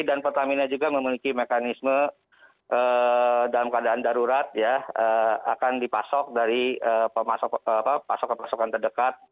dan pertamina juga memiliki mekanisme dalam keadaan darurat ya akan dipasok dari pasokan pasokan terdekat